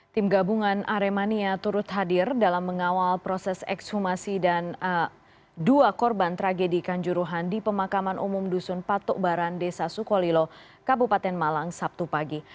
tim gabungan aremania turut hadir dalam mengawal proses ekshumasi dan dua korban tragedi kanjuruhan di pemakaman umum dusun patok baran desa sukolilo kabupaten malang sabtu pagi